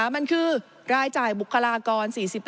มันคือรายจ่ายบุคลากร๔๕